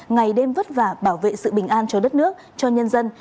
ngày đêm vất vả bảo vệ sự bình an cho đất nước cho nhân dân